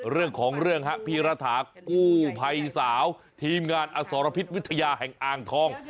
เรื่องของเรื่องฮะพี่รัฐากู้ภัยสาวทีมงานอสรพิษวิทยาแห่งอ่างทอง